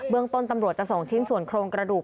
เมืองต้นตำรวจจะส่งชิ้นส่วนโครงกระดูก